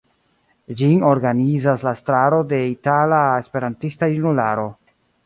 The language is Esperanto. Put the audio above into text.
Ĝin organizas la estraro de Itala Esperantista Junularo.